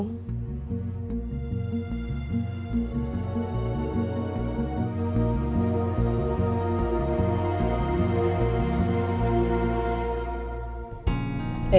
ya mungkin karena